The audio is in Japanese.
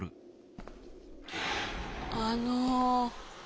あの。